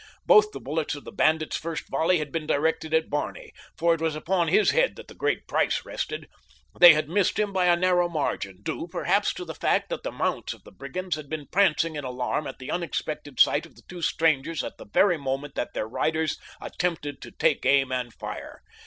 Both the bullets of the bandits' first volley had been directed at Barney, for it was upon his head that the great price rested. They had missed him by a narrow margin, due, perhaps, to the fact that the mounts of the brigands had been prancing in alarm at the unexpected sight of the two strangers at the very moment that their riders attempted to take aim and fire.